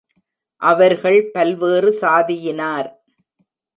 அவர்கள் பல்வேறு சாதியினார்.